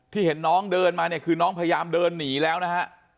เห็นน้องเดินมาเนี่ยคือน้องพยายามเดินหนีแล้วนะฮะ